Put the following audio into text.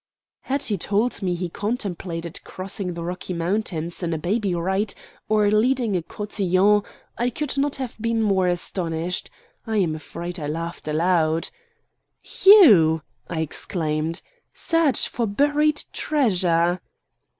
Had he told me he contemplated crossing the Rocky Mountains in a Baby Wright, or leading a cotillon, I could not have been more astonished. I am afraid I laughed aloud. "You!" I exclaimed. "Search for buried treasure?"